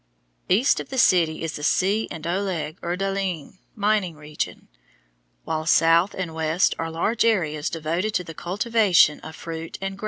East of the city is the Coeur d'Alene mining region, while south and west are large areas devoted to the cultivation of fruit and grain.